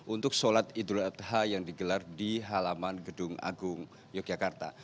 untuk sholat idul adha yang digelar di halaman gedung agung yogyakarta